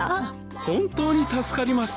本当に助かりますわい。